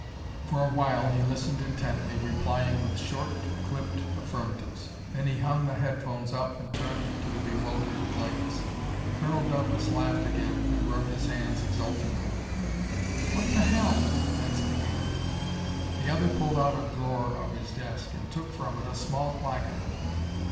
"_ For awhile he listened intently, replying with short clipped affirmatives. Then he hung the headphones up and turned to the bewildered Lance. Colonel Douglas laughed again and rubbed his hands exultantly. "What the hell " Lance began. The other pulled out a drawer of his desk and took from it a small placard.